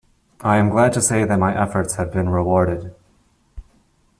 I am glad to say that my efforts have been rewarded.